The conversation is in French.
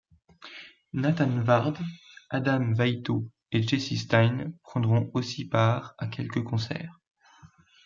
Nathan Ward, Adam Waito, et Jessie Stein prendront aussi part à quelques concerts.